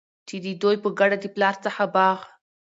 چي د دوي په ګډه د پلار څخه باغ